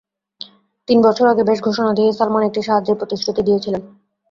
তিন বছর আগে বেশ ঘোষণা দিয়েই সালমান একটি সাহায্যের প্রতিশ্রুতি দিয়েছিলেন।